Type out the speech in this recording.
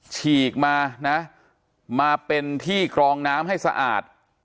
ฉีกมานะมาเป็นที่กรองน้ำให้สะอาด